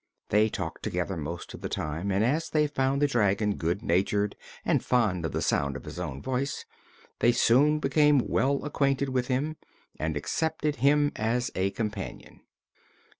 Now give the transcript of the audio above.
They talked together most of the time and as they found the dragon good natured and fond of the sound of his own voice they soon became well acquainted with him and accepted him as a companion.